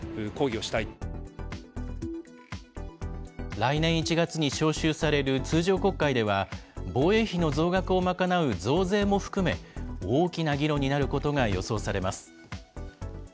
来年１月に召集される通常国会では、防衛費の増額を賄う増税も含め、大きな議論になることが予想されます。